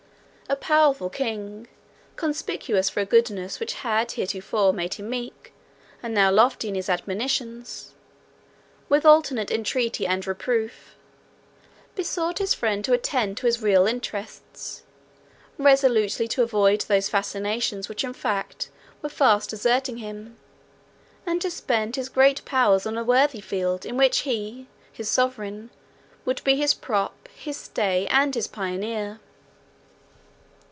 A powerful king, conspicuous for a goodness which had heretofore made him meek, and now lofty in his admonitions, with alternate entreaty and reproof, besought his friend to attend to his real interests, resolutely to avoid those fascinations which in fact were fast deserting him, and to spend his great powers on a worthy field, in which he, his sovereign, would be his prop, his stay, and his pioneer.